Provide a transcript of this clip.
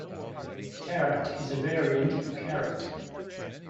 "Karat" is a variant of "carat".